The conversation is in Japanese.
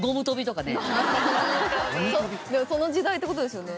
でもその時代っていう事ですよね。